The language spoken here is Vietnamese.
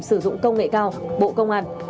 sử dụng công nghệ cao bộ công an